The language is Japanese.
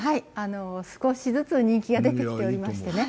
少しずつ人気が出てきておりましてね。